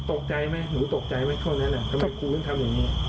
ตกใจไหมหนูตกใจไหมเท่านั้นทำไมคุณต้องทำอย่างนี้